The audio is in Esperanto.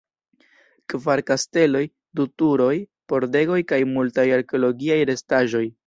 Kvar kasteloj, du turoj, pordegoj kaj multaj arkeologiaj restaĵoj.